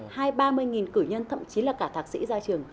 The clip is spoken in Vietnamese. hai ba mươi nghìn cử nhân thậm chí là cả thạc sĩ ra trường